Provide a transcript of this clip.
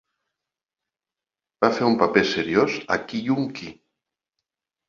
Va fer un paper seriós a Kyun Ki.